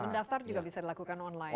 mendaftar juga bisa dilakukan online